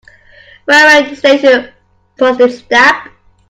Railway station Postage stamp.